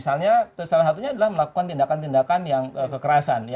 salah satunya adalah melakukan tindakan tindakan yang kekerasan